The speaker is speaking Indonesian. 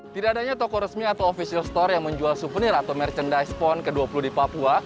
tidak adanya toko resmi atau official store yang menjual souvenir atau merchandise pond ke dua puluh di papua